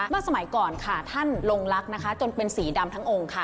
เมื่อสมัยก่อนค่ะท่านลงลักษณ์นะคะจนเป็นสีดำทั้งองค์ค่ะ